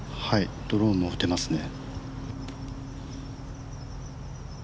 ドローも打てますね。